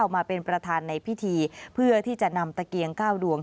มาเป็นประธานในพิธีเพื่อที่จะนำตะเกียง๙ดวง